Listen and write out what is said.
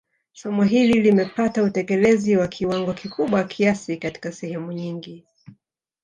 Somo hili limepata utekelezi wa kiwango kikubwa kiasi katika sehemu nyingi